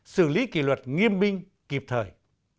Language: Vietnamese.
xử lý kỳ luật nghiêm binh kịp thời